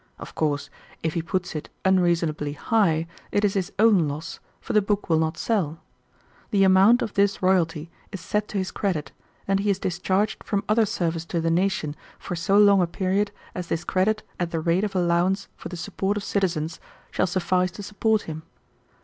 Of course if he puts it unreasonably high it is his own loss, for the book will not sell. The amount of this royalty is set to his credit and he is discharged from other service to the nation for so long a period as this credit at the rate of allowance for the support of citizens shall suffice to support him.